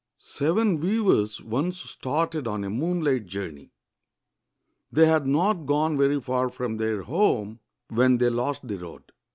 ] Seven weavers once started on a moonlight Journey. They had not gone very far from their home when they lost the road.